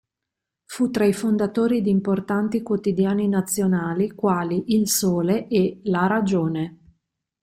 Fu tra i fondatori di importanti quotidiani nazionali quali "Il Sole" e "La Ragione".